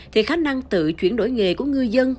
thì khả năng tự chuyển đổi nghề của ngư dân